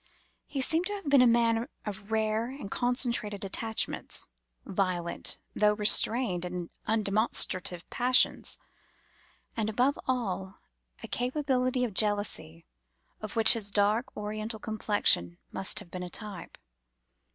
He seems to have been a man of rare and concentrated attachments; violent, though restrained and undemonstrative passions; and, above all, a capability of jealousy, of which his dark oriental complexion must have been a type.